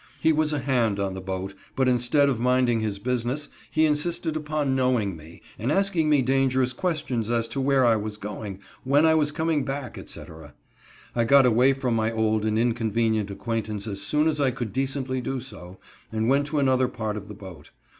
He was a "hand" on the boat, but, instead of minding his business, he insisted upon knowing me, and asking me dangerous questions as to where I was going, when I was coming back, etc. I got away from my old and inconvenient acquaintance as soon as I could decently do so, and went to another part of the boat.